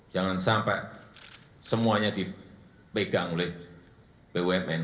jangan sampai semuanya dipegang oleh bumn